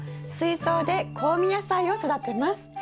水槽で香味野菜を育てます。